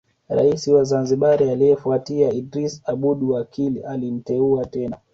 Rais wa Zanzibar aliyefuatia Idris Aboud Wakil alimteua tena